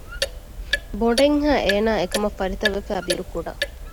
ބޮނޑެއް ހައި އޭނާ ކަމަށް ފަރިތަވެފައި ބިރުކުޑަ